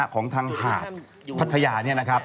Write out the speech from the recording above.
ของทางหาพัทยา